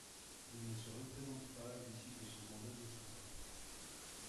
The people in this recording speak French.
Il ne se représente pas à l'issue de son mandat de cinq ans.